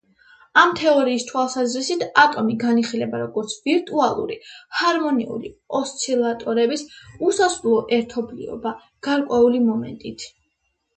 ამ თეორიის თვალსაზრისით, ატომი განიხილება როგორც ვირტუალური, ჰარმონიული ოსცილატორების უსასრულო ერთობლიობა გარკვეული მომენტით.